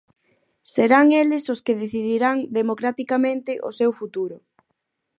Serán eles os que decidirán democraticamente o seu futuro.